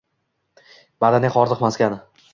Madaniy hordiq maskani